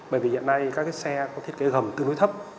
bởi vì hiện nay các xe có thiết kế gầm tương đối thấp